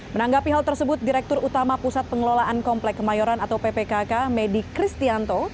menanggapi hal tersebut direktur utama pusat pengelolaan komplek kemayoran atau ppkk medi kristianto